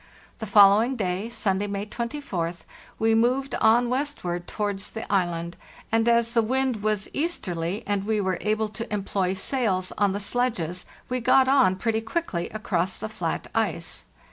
The following day (Sunday, May 24th) we moved on westward towards the island, and as the wind was easterly and we were able to employ sails on the sledges we got on pretty quickly across the flat ice.